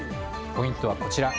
ポイントはこちら。